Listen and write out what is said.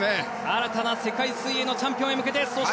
新たな世界水泳のチャンピオンへ向けて。